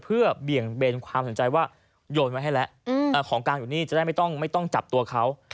เพื่อเบี่ยงเบนความสนใจว่าโยนไว้ให้แล้วของกลางอยู่นี่จะได้ไม่ต้องจับตัวเขา